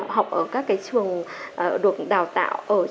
học ở các trường đường đào tạo